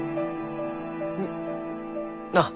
うん？ああ。